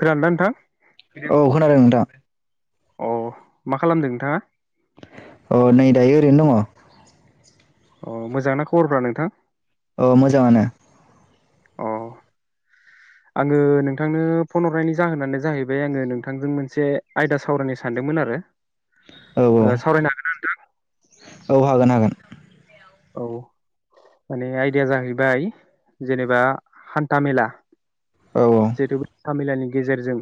खोनादों नोंथां? औ खोनादों नोंथां अह मा खालामदों नोंथाङा? अ नै दायो ओरैनो दङ अह मोजांना खबरफ्रा नोंथां? औ मोजाङानो अ आङो नोंथांनो फन हरनायनि जाहोनानो जाहैबाय आङो नोंथांजों मोनसे आयदा सावरायनो सानदोंमोन आरो औ औ ओ सावरायनो हागोन ना नोंथां? औ हागोन हागोन औ माने आइडिया जाहैबाय जेनेबा हान्था मेला औ ओ [unintelligible] हान्था मेलानि गेजेरजों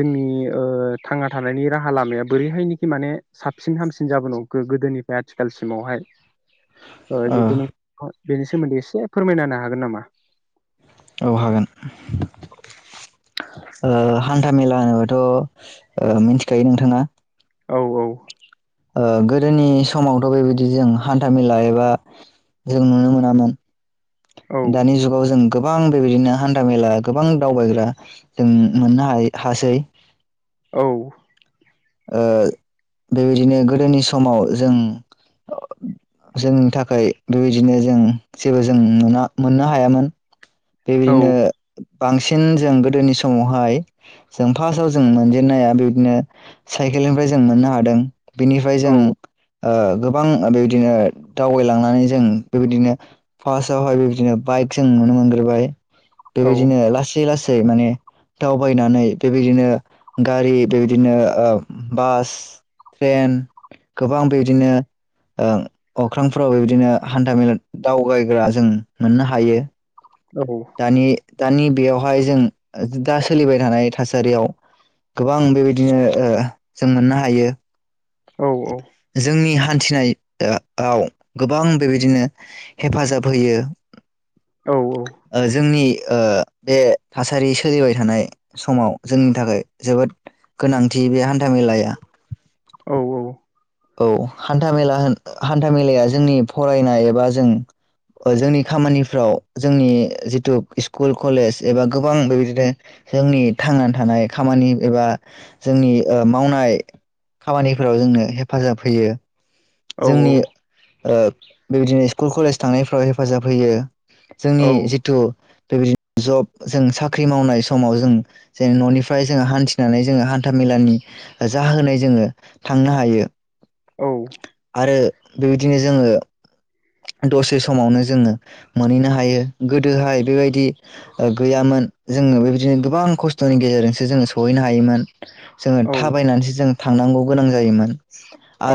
जोंनि ओ थांना थानायनि राहा लामाया बोरैहाय मानि साबसिन हामसिन जाबोनो हमखो गोदोनिफ्राय आथिखालसिमावहाय ओ जिथु नोंथाङा बेनि सोमोन्दै एसे फोरमायना होनो हागोन नामा? औ हागोन ओ हान्था मेला होनोबाथ' ओ मिथिखायो नोंथाङा औ औ ओ गोदोनि समावथ' बेबायदि जों हान्था मेला एबा जों नुनो मोनामोन औ दानि जुगाव जों गोबां बेबायदिनो हान्था मेला गोबां दावबायग्रा जों मोननो हा हासै। औ। ओ बेबायदिनो गोदोनि समाव जों जोंनि थाखाय बेबायदिनो जों जेबो जों नुनो मोननो हायामोन। औ बेबादिनो बांसिन जों गोदोनि समावहाय जों फार्स्टआव जों मोनजेनन्नाया बिदिनो साइकेलनिफ्राय जों मोननो हादों। बिनिफ्राय जों औ ओ गोबां बेबायदिनो दावबायलांनानै जों बेबायदिनो फार्टावहाय बेबायदिनो बाइक जों नुनो मोन बोबाय। बे औ बायदिनो लासै लास दै माने दावबायनानै बेबायदिनो गारि बेबायदिनो ओ बास ट्रेन गोबां बेबायदिनो ओ अख्रांफोराव बेबायदिनो हान्था मेला दावबायग्रा जों मोननो हायो औ दानि दानि बेयावहाय जों ओ दा सोलिबाय थानाय थासारियाव गोबां बेबायदिनो ओ जों मोननो हायो। औ जोंनि हान थिनाय ओ आव गोबां बेबायदिनो हेफाजाब होयो। औ ओ जोंनि ओ बे थासारि सोलिबाय थानाय समाव जोंनि थाखाय जोबोद गोनांथि बे हान्थामेलाया। औ औ। औ, हान्था मेला होन हान्था मेलाया जोंनि फरायनाय एबा जों ओ जोंनि खामानिफ्राव जोंनि जिथु स्कुल कलेज एबा गोबां बेबायदिनो जोंनि थांनानै थानाय खामानि एबा जोंनि ओ मावनाय खामानिफोराव जोंनो हे फाजाब होयो। औ जोंनि ओ बेबायदिनो स्कुल कलेज थांनायफ्राव हेफाजाब होयो। औ जोंनि जिथु बेबायदिनो जब जों साख्रि मावनाय समाव जों जेन न'निफ्राय जोंङो हान्थिनानै जोङो हान्थामेलानि जाहोनाय जोङो थांनो हायो आरो बेबायदिनो जोङो दसे समावनो जोङो मोनहैनो हायो गोदोहाय बेबायदि ओ गैयामोन जोङो बेबायदिनो गोबां खस्थ'नि गेजेरजोंसो जोङो सहैनो हायोमोन। जोङो औ थाबायनानैसो जों थांनांगौ गोनां जायोमोन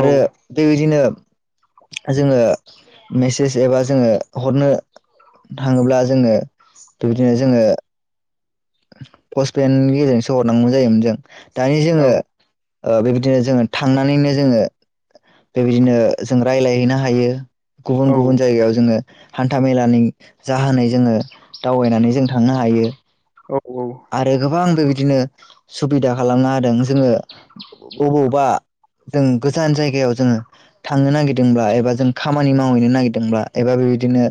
औ बेबायदिनो जोङो मेसेज एबा जोङो हरनो थाङोब्ला जोङो बेबायदिनो जोङो पसपेननि गेजेरजोंसो हरनांगौ जायोमोन जों। दानि जोङो ओ बेबायदिनो जोङो थांनानैनो जोङो बेबायदिनो जों रायज्लायहैनो हायो। गुबुन गुबुन जायगायाव जोङो हान्था मेलानि जाहोनै जोङो दावबायनानै जों थांनो हायो। आरो गोबांबो बिदिनो सुबिदा खालामनो होदों जोङो अबावबा जों गोजान जायगायाव जोङो थांनो नागिरदोंब्ला एबा जों खामानि मावहैनो नागिरदोंब्ला एबा बेबायदिनो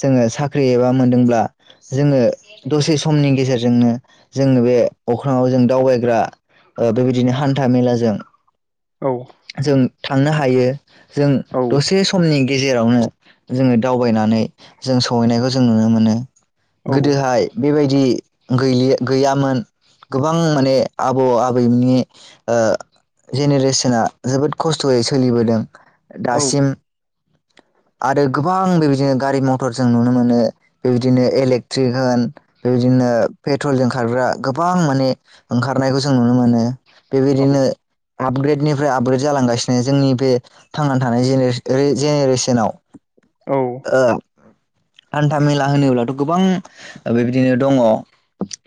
जोङो साख्रि एबा मोनदोंब्ला जोङो दसे समनि गेजेरजोंनो जोङो बे अख्राङाव जों दावबायग्रा बेबायदिनो हान्था-मेलाजों जों थांनो हायो जों दसे समनि गेजेरावनो जोङो दावबायनानै जों सहैनायखौ जों नुनो मोनो। गोदोहाय बेबाय दि गैलि गैयामोन गोबां माने आबौ-आबैनि ओ जेनेरेसना जोबोद खस्थ'यै सोलिबोदों। दासिम आरो गोबां बेबायदिनो गारि मथर जों नुनो मोनो बेबायदिनो इलेक्ट्रिक होन बेबायदिनो पेट्रलजों खारग्रा गोबां माने ओंखारनायखौ जों नुनो मोनो। बेबायदिनो आपग्रेडनिफ्राय आपग्रेड जालांगासिनो जोंनि बे थांनानै थानाय जेने-जेनेरेसनाव औ। हान्था-मेला होनोब्लाथ' गोबां बेबायदिनो दङ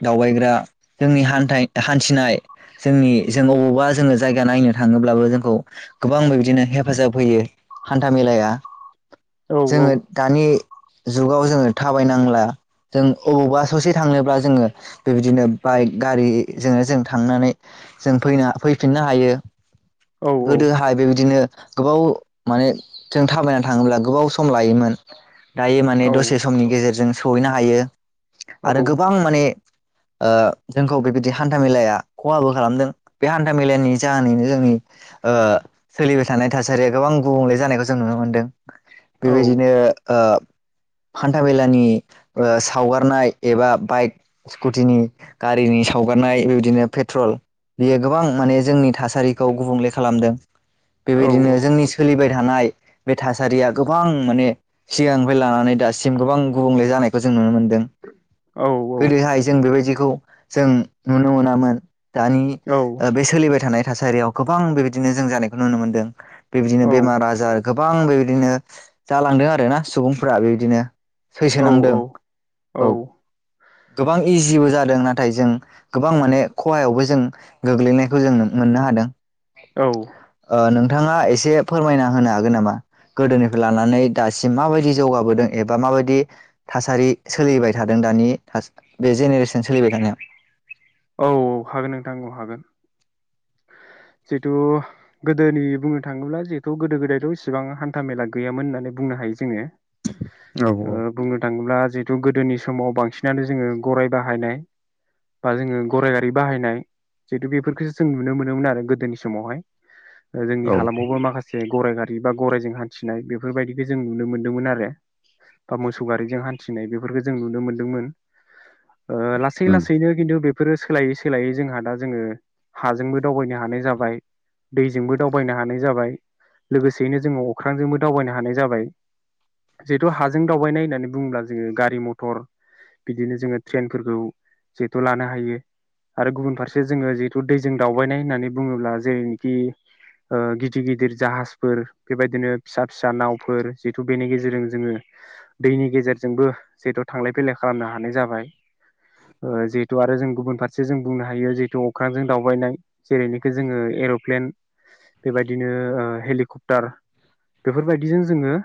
दावबायग्रा जोंनि हान्था हान्थिनाय जोंनि जों अबावबा जोङो जायगा नायनो थाङोब्लाबो जोंखौ गोबांबो बिबदिनो हेफाजाब होयो हान्था-मेलाया। औ जोङो औ दानि जुगाव जोङो थाबायनांला जों अबावबा ससे थांनोब्ला जोङो बेबायदिनो बाइक गारिजोंनो जों थांनानै जों फैनो फैफिननो हायो गोदोहाय बेबायदिनो गोबाव माने जों थाबायना थाङोब्ला गोबाव सम लायोमोन। दायो माने दसे समनि गेजेरजों सहैनो हायो। आरो गोबां औ माने ओ जोंखौ बेबायदि हान्था मेलाया खहाबो खालामदों बे हान्था मेलानि जाहोनैनो जोंनि ओ सोलिबाय थानाय थासारिया गोबां गुबुंले जानायखौ जों नुनो मोनदों। बेबायदिनो ओ हान्था मेलानि ओ सावगारनाय एबा बाइक स्कुटिनि गारिनि सावगारनाय बेबायदिनो पेट्रल बेयो गोबां माने जोंनि थासारिखौ गुबुंले खालामदों। बेबायदिनो जोंनि सोलिबाय थानाय बे थासारिया गोबां माने सिगांनिफ्राय लानानै दासिम गोबां गुबुंले जानायखौ जों नुनो मोन दों। गोदोहाय जों बेबायदि खौ जों नुनो मोनामोन। दानि बे सोलिबाय थानाय थासारियाव गोबां बेबायदिनो जों जानायखौ नुनो मोन्दों। बेबायदिनो बेमार आजार गोबां बेबायदिनो जालांदों आरोना सुबुंफोरा बेबायदिनो सैसोनांदों। औ गोबां इजिबो जादों नाथाय जों गोबां माने खहायावबो जों गोग्लैनायखौ जों मोननो हादों। औ। ओ नोंथाङा एसे फोरमायना होनो हागोन नामा गोदोनिफ्राय लानानै दासिम माबायदि जौगाबोदों एबा माबायदि थासारि सोलिबाय थादों दानि बे जेनेरेसन सोलिबाय थानाया औ हागोन नोंथां हागोन। जिहेथु गोदोनि बुंनो थाङोब्ला जिहेथु गोदो गोदायथ' इसिबां हान्था मेला गैयामोन होननानै बुंनो हायो जोङो। औ बुंनो थाङोब्ला जितु गोदोनि समाव बांसिनानो जोङो गराइ बाहायनाय बा जोङो गराइ गारि बाहायनाय जिहेतु बेफोरखौ जों नुनो मोनोमोन आरो गोदोनि समावहाय। जोंनि औ हालामावबो माखासे गराइ गारि बा गरायजों हान्थिनाय बेफोरबायदिखौ जों नुनो मोनदोंमोन आरो बा मोसौ गारिजों हान्थिनाय बेफोरखौ जों नुनो मोनदोंमोन। ओ लासै उम लासैनो खिन्थु बे बेफोरो सोलायै सोलायै जोंहा दा जोङो हाजोंबो दावबायनो हानाय जाबाय दैजोंबो दावबायनो हानाय जाबाय लोगोसेयैनो जोङो अख्रांजोंबो दावबायनो हानाय जाबाय जिहेथु हाजों दावबायनाय होननानै बुङोब्ला जोङो गारि मथर बिदिनो जोङो ट्रेनफोरखौ जिहेथु लानो हायो आरो गुबुन फारसे जोङो दैजों दावबायनाय होननानै बुङोब्ला जेरैनिखि गिदिर गिदिर जाहाजफोर बेबायदिनो फिसा फिसा नावफोर जिहेथु बेनि गेजेरजों जोङो दैनि गेजेरजोंबो जिहेथु थांलाय फैलाय खालामनो हानाय जाबाय जिहेतु आरो जों गुबुन फारसे जों बुंनो हायो जिहेतु अख्रांजों दावबायनाय जेरैनिखि जोङो एरप्लेन बेबायदिनो हेलिकप्टार बेफोरबायदिजों जोङो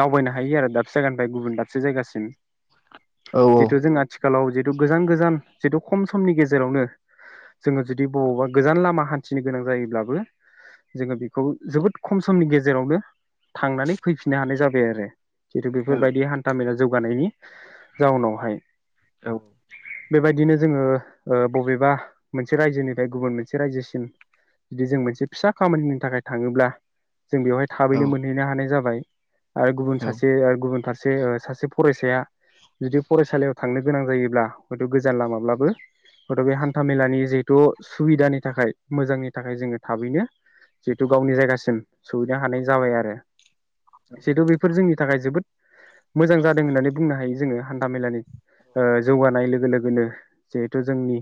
दावबायनो हायो आरो दाबसे जायगानिफ्राय गुबुन दाबसे जायगासिम। औ औ जिथु जों आथिखालाव जिहेतु गोजान गोजान जितु खम समनि गेजेरावनो जोङो जुदि बबावबा गोजान लामा हान्थिनो गोनां जायोब्लाबो जोङो बेखौ जोबोद खम समनि गेजेरावनो थांनानै फैफिननो हानाय जाबाय आरो। जिथु बेफोरबायदि हान्था मेला जौगानायनि जाउनावहाय। औ बेबायदिनो जोङो ओ बबेबा मोनसे रायजोनिफ्राय गुबुन मोनसे रायजोसिम जुदि जों मोनसे फिसा खामानिनि थाखाय थाङोब्ला जों बेवहाय औ थाबैनो मोनहैनो हानाय जाबाय आरो गुबुन सासे गुबुन फारसे सासे फरायसाया जुदि फरायसालियाव थांनो गोनां जायोब्ला हयथ गोजान लामाब्लाबो हयथ बे हान्था मेलानि जिहेथु सुबिदानि थाखाय मोजांनि थाखाय जोङो थाबैनो जिहेतु गावनि जायगासिम सहैनो हानाय जाबाय आरो जिहेतु बेफोर जोंनि थाखाय जोबोद मोजां जादों होननानै बुंनो हायो जोङो हान्था मेलानि ओ जौगानाय लोगो लोगोनो जिहेथु जोंनि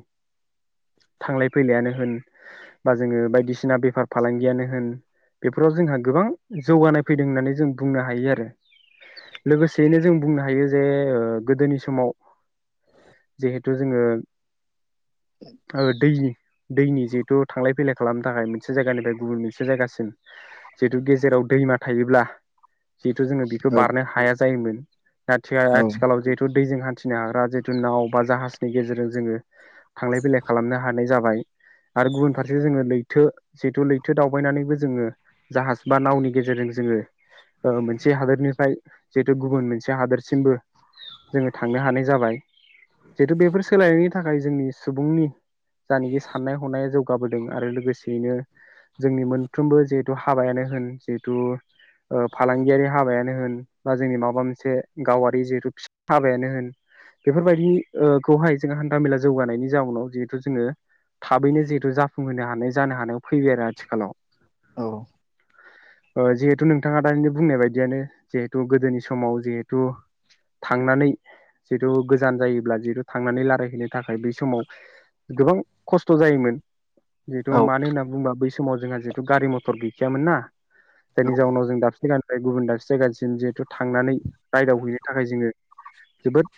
थांलाय फैलायानो होन बा जोङो बायदिसिना बेफार फालांगियानो होन बेफोराव जोंहा गोबां जौगानाय फैदों होननानै जों बुंनो हायो आरो लोगोसेयैनो जों बुंनो हायो जे गोदोनि समाव जिहेथु जोङो दैनि दैनि जिहेथु थांलाय फैलाय खालामनो थाखाय मोनसे जायगानिफ्राय गुबुन मोनसे जायगासिम जिहेथु गेजेराव दैमा थायोब्ला जिहेथु जोङो बेखौ औ बारनो हाया जायोमोन आथिखालाव जिहेथु दैजों हान्थिनो हाग्रा जिथु नाव बा जाहाजनि गेजेरजों जोङो थांलाय फैलाय खालामनो हानाय जाबाय आरो गुबुन फारसे जोङो लैथो जिहेतु लैथो दावबायनानैबो जोङो जाहाज बा नावनि गेजेरजों जोङो मोनसे हादोरनिफ्राय जिहेतु गुबुन मोनसे हादोरसिमबो जोङो थांनो हानाय जाबाय जिहेतु बेफोर सोलायनायनि थाखाय जोंनि सुबुंनि जानोखि साननाय हनाया जौगाबोदों आरो लोगोसेयैनो जोंनि मोनफ्रोमबो जिहेथु हाबायानो होन जिहेथु फालांगियारि हाबायानो होन बा जोंनि माबा मोनसे गावारि जिहेथुि हाबायानो होन बेफोरबायदिखौहाय जों हान्थामेला जौगानायनि जाउनाव जिहे थु जोङो थाबैनो जिहेथु जाफुंहोनो हानाय जानो हानायाव फैबाय आरो आथिखालाव। औ ओ जिहेथु नोंथाङा दा बुंनाय बायदियानो जिहेथु गोदोनि समाव जिहेथु थांनानै जिहेतु गोजान जायोब्ला जिहेतु थांनानै रायलायहैनो थाखाय बै समाव गोबां खस्थ' जायोमोन औ जिहेथु मानो होनना बुंबा बै समाव जोंहा जिहेथु गारि म'थर गैखायामोन ना जायनि जाउनाव जों दाबसे गानफ्राय गुबुन दाबसे जायगानिसिम जिहेथु थांनानै रायदाव हैैनो थाखाय जोङो जोबोद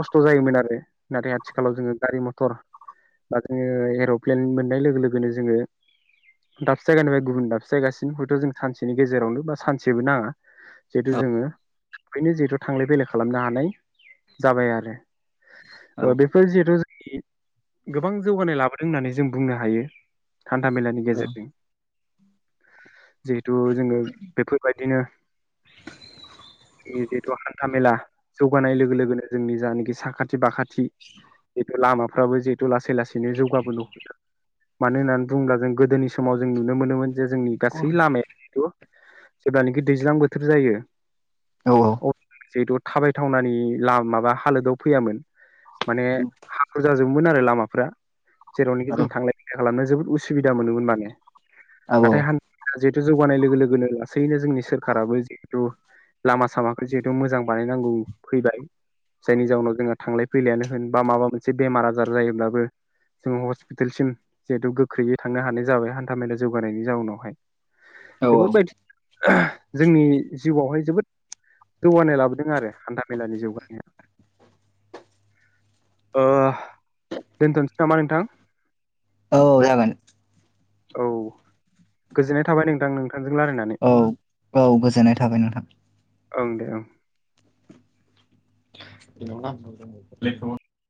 ख'स्थ जायोमोन आरो नाथाय आथिखालाव जोङो गारि म'थर बा जोङो एरप्लेन मोननाय लोगो लोगोनो जोङो दाबसे जायगानिफ्राय गुबुन दाबसे जायगासिम हयथ जों सानसेनि गेजेरावनो बा सानसेबो नाङा जिहेतु औ जोङो [unintelligible] जिहेथु थांलाय फैलाय खालामनो हानाय जाबाय आरो। बेफोर जिहेतु [inaudible] गोबां जौगानाय लाबोदों होननानै जों बुंनो हायो हान्थामेलानि गेजेरजों। जे हेथु जोङो बेफोरबायदिनो जों जिहेथु हान्था मेला जौगानाय लोगो लोगोनो जोंनि जानाखि साखाथि बाखाथि जिथु लामा [unintelligible] लासै लासैनो जौगाबोनो हम मानो होननानै बुङोब्ला जों गोदोनि समाव जों नुनो मोनोमोन जे जोंनि गासै लामाया जिथु जेब्लानोखि दैज्लां बोथोर जायो [unintelligible] थाबायथावनानि माबा हालोदाव फैयामोन । माने जोबमोन आरो लामाफ्रा जेरावनोख जों थांलाय खालामनो जोबोद उसुबिदा मोनोमोन माने । नाथाय हा जौगानाय लोगो लोगोनो लासैनो जोंनि सोरखाराबो जिहेतु लामा सामाखौ जिथु मोजां बानायनांगौ फैबाय । जायनि जाउनाव जोंहा थांलाय फैलायानो होन बा माबा मोन एसे बेमार आजार जायोब्लाबो जोङो हस्पिटालसिम जिहेथु गोख्रैयै थांनो हानाय जाबाय हान्था मेला जौगानायनि जाउनावहाय [inaudible] जोंनि जिउआवहाय जोबोद जौगानाय लाबोदों आरो हान्था मेलानि जौगानाया ओ दोनथ'सै नामा नोंथां । औ जागोन । औ गोजोननाय थाबाय नोंथां नोंथां । औ औ गोजोननाय थाबाय नोंथां । ओं दे ओं बिनाव